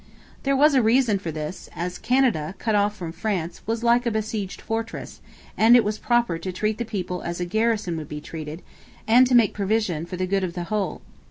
There was a reason for this, as Canada, cut off from France, was like a besieged fortress, and it was proper to treat the people as a garrison would be treated, and to make provision for the good of the whole.